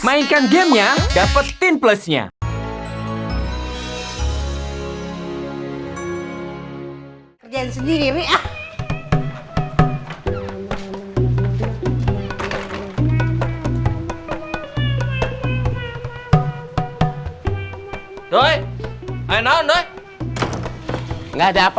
mainkan gamenya dapetin plusnya